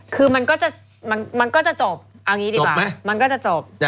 คือมันก็จะมันก็จะจบเอางี้ดีกว่าจบไหมมันก็จะจบ